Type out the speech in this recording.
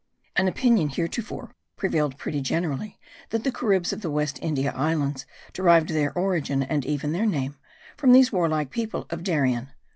An opinion heretofore prevailed pretty generally that the Caribs of the West India Islands derived their origin, and even their name, from these warlike people of Darien.